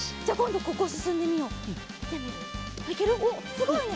すごいね！